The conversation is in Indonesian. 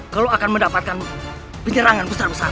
kalau akan mendapatkan penyerangan besar besaran